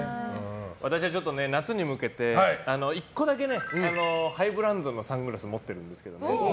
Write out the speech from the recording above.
私はちょっと、夏に向けて１個だけハイブランドのサングラス持ってるんですけどね。